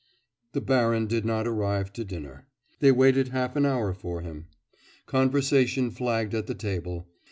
The baron did not arrive to dinner. They waited half an hour for him. Conversation flagged at the table.